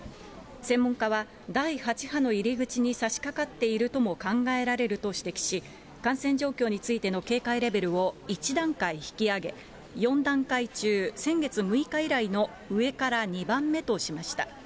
専門家は、第８波の入り口にさしかかっているとも考えるられると指摘し、感染状況についての警戒レベルを１段階引き上げ、４段階中、先月６日以来の上から２番目としました。